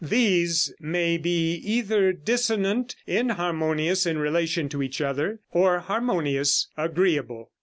These may be either dissonant, inharmonious in relation to each other, or harmonious, agreeable.